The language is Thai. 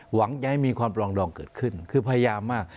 หวังจะให้มีความปลองดองเกิดขึ้นคือพยายามมาก